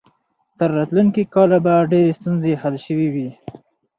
تر راتلونکي کاله به ډېرې ستونزې حل شوې وي.